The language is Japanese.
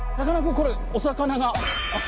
これお魚が。